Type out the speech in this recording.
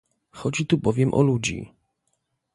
Chodzi tu bowiem o ludzi